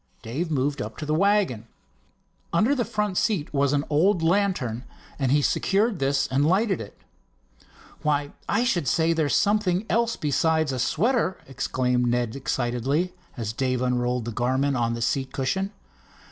Dave moved up to the wagon. Under the front seat was an oil lantern, and he secured this and lighted it. "Why, I should say there was something else besides a sweater!" exclaimed Ned excitedly, as Dave unrolled the garment on the seat cushion.